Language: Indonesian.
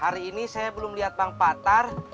hari ini saya belum liat bang patar